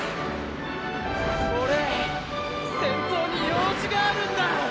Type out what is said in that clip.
オレ先頭に用事があるんだ！